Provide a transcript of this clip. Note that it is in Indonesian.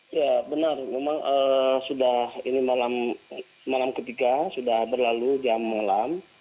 ya benar memang sudah ini malam ketiga sudah berlalu jam malam